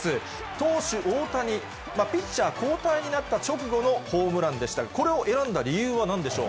投手、大谷、ピッチャー交代になった直後のホームランでしたが、これを選んだ理由はなんでしょう？